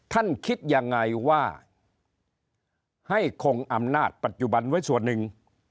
คิดยังไงว่าให้คงอำนาจปัจจุบันไว้ส่วนหนึ่ง